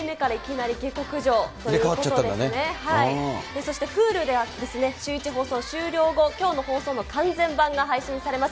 そして、ｈｕｌｕでは、シューイチ放送終了後、きょうの放送の完全版が配信されます。